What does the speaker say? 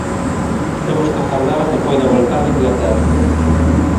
Teremos que agardar a que poida voltar de Inglaterra.